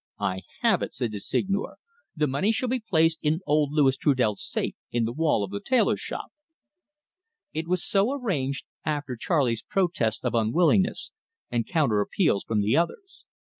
"I have it!" said the Seigneur. "The money shall be placed in old Louis Trudel's safe in the wall of the tailor shop." It was so arranged, after Charley's protests of unwillingness, and counter appeals from the others.